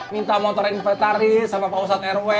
minta motor inventaris sama pak ustadz rw